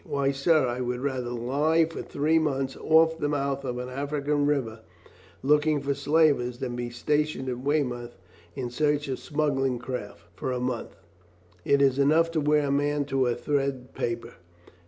"Why, sir, I would rather lie for three months off the mouth of an African river looking for slavers, than be stationed at Weymouth in search of smuggling craft, for a month; it is enough to wear a man to a thread paper.